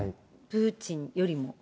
プーチンよりも。